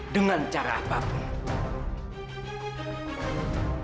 dengan cara apapun